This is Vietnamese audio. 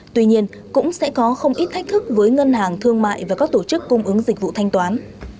tuy nhiên cũng sẽ có không ít thách thức với ngân hàng thương mại và các tổ chức cung ứng dịch vụ thanh toán